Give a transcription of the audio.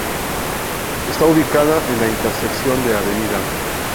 Está ubicada en la intersección de Av.